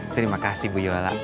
terima kasih bu yola